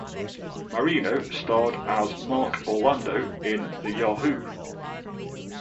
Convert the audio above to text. Marino starred as Mark Orlando in the Yahoo!